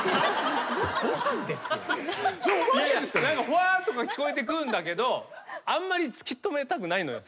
ふわっと聞こえてくんだけどあんまり突き止めたくないのよ。